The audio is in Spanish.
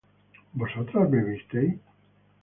¿vosotras bebisteis?